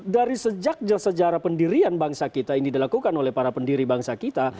dari sejak sejarah pendirian bangsa kita ini dilakukan oleh para pendiri bangsa kita